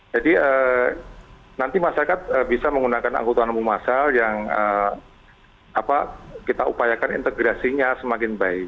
jadi nanti masyarakat bisa menggunakan anggotaan umum masal yang kita upayakan integrasinya semakin baik